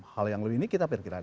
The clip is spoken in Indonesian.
hal yang lebih ini kita perkirakan